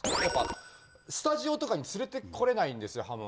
やっぱスタジオとかに連れて来れないんですよ。